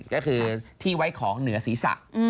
ก็คือที่ไว้ของเหนือศีรษะ